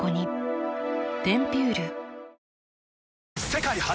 世界初！